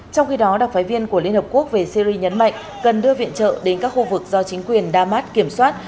trong khi đó đặc phái viên của liên hợp quốc về syri nhấn mạnh cần đưa viện trợ đến các khu vực do chính quyền damas kiểm soát